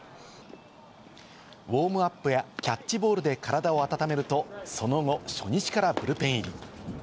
ウオームアップやキャッチボールで体を温めると、その後、初日からブルペン入り。